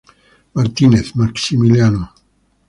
Martínez, Maximiliano.